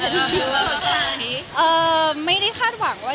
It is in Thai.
คือไม่ได้คาดหวังว่า